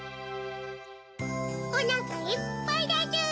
・おなかいっぱいでちゅ！